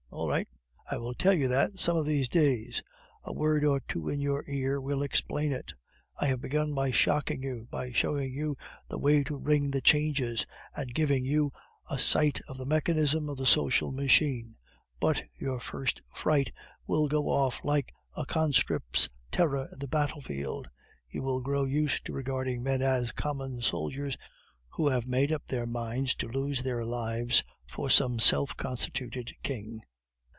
All right; I will tell you that some of these days. A word or two in your ear will explain it. I have begun by shocking you, by showing you the way to ring the changes, and giving you a sight of the mechanism of the social machine; but your first fright will go off like a conscript's terror on the battlefield. You will grow used to regarding men as common soldiers who have made up their minds to lose their lives for some self constituted king.